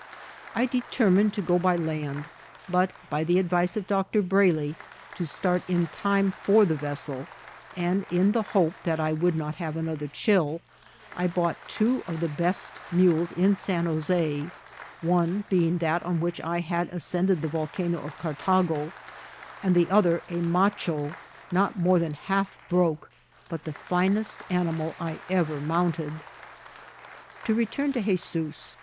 I deter mined to go by land, but, by the advice of Dr. Brayley, to start in time for the vessel ; and in the hope that I would not have another chill, I bought two of the best mules in San Jos6, one being that on which I had as* cended the Volcano of Cartago, and the other a macho^ not more than half broke, but the finest animal I ever mounted. To return to 'Hezoos.